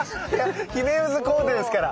ヒメウズコーデですから。